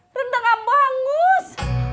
rentang abu hangus